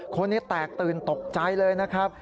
คนนี้แตกตื่นตกใจเลยนะครับ